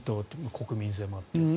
国民性もあって。